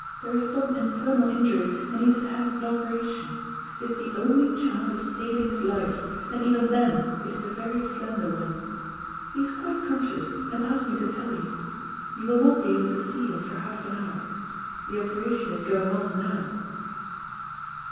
There is some internal injury, and he is to have an operation. It is the only chance of saving his life, and even then it is a very slender one. He is quite conscious, and asked me to tell you. You will not be able to see him for half an hour. The operation is going on now."